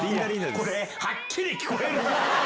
これ、はっきり聞こえるな。